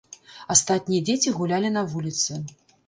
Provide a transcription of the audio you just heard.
Астатнія дзеці гулялі на вуліцы.